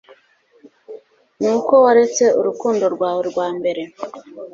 ni uko waretse urukundo rwawe rwa mbere.